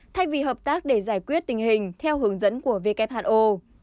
thay vì hợp tác để giải quyết tình hình theo hướng dẫn của who